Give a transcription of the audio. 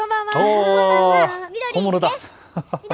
こんばんは。